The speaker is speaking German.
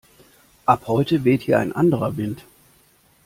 Ab heute weht hier ein anderer Wind!